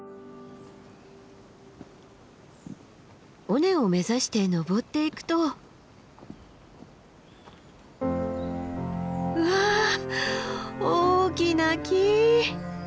尾根を目指して登っていくと。わ大きな木。